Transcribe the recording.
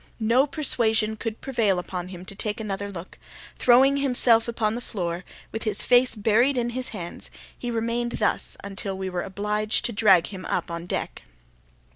No persuasion could prevail upon him to take another look; throwing himself upon the floor, with his face buried in his hands, he remained thus until we were obliged to drag him upon deck.